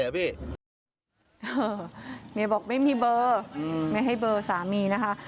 เฮ่อเมียบอกไม่มีเบอไม่ให้เบอสามีนะคะ